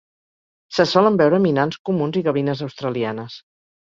Se solen veure minans comuns i gavines australianes.